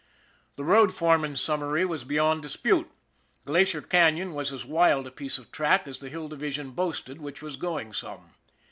The road foreman's summary was beyond dispute. Glacier Canon was as wild a piece of track as the Hill Division boasted, which was going some.